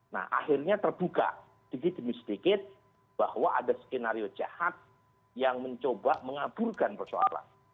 nah akhirnya terbuka sedikit demi sedikit bahwa ada skenario jahat yang mencoba mengaburkan persoalan